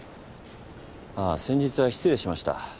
あっ先日は失礼しました。